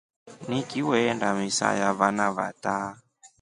Nikiiwenda misa ya vana vata.